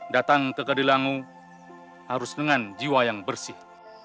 datang ke kedilangu harus dengan jiwa yang bersih